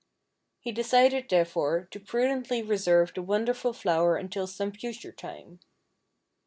He decided therefore to prudently reserve the wonderful flower until some future time.